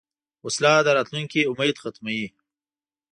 وسله د راتلونکې امید ختموي